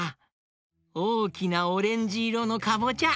おおきなオレンジいろのかぼちゃ